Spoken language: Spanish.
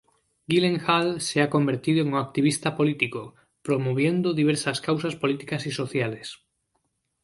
Gyllenhaal se ha convertido en un activista político, promoviendo diversas causas políticas y sociales.